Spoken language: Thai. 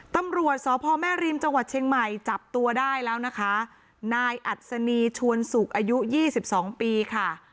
ตำรวจสพแม่ริมจังหวัดเชียงใหม่จับตัวได้แล้วนะคะนายอัศนีชวนสุกอายุยี่สิบสองปีค่ะ